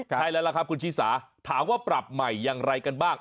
ใช่แล้วล่ะครับคุณชิสาถามว่าปรับใหม่อย่างไรกันบ้าง